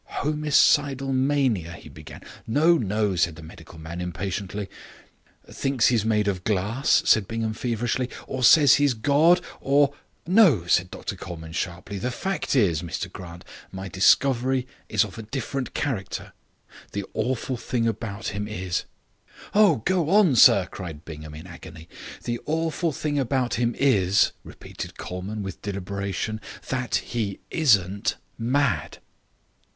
"Homicidal mania " he began. "No, no," said the medical man impatiently. "Thinks he's made of glass," said Bingham feverishly, "or says he's God or " "No," said Dr Colman sharply; "the fact is, Mr Grant, my discovery is of a different character. The awful thing about him is " "Oh, go on, sir," cried Bingham, in agony. "The awful thing about him is," repeated Colman, with deliberation, "that he isn't mad."